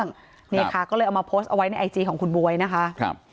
นี่ค่ะก็เลยเอามาโพสต์เอาไว้ในไอจีของคุณบ๊วยนะคะครับ